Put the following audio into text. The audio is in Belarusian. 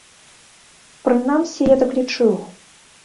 Прынамсі, я так лічыў.